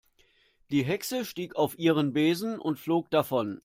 Die Hexe stieg auf ihren Besen und flog davon.